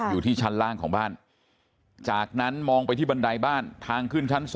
อยู่ที่ชั้นล่างของบ้านจากนั้นมองไปที่บันไดบ้านทางขึ้นชั้น๒